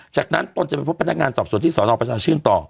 จากนั้นตนจะไปพบพนักงานสอบสวนที่สนประชาชื่นต่อ